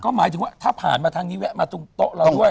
หมายถึงว่าถ้าผ่านมาทางนี้แวะมาตรงโต๊ะเราด้วย